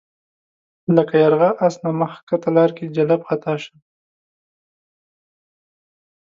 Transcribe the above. لکه یرغه آس نه مخ ښکته لار کې جلَب خطا شم